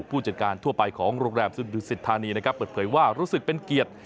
ผู้จัดการทั่วไปของโรงแรมสุดดุสิทธานีนะครับเปิดเผยว่ารู้สึกเป็นเกียรติ